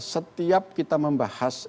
setiap kita membahas